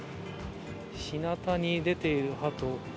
日なたに出ているハト